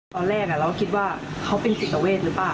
ตอนแรกเราก็คิดว่าเขาเป็นจิตเวทหรือเปล่า